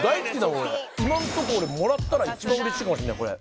俺今んとこ俺もらったら一番うれしいかもしれないこれ。